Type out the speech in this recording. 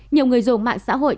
nhiều người dùng mạng xã hội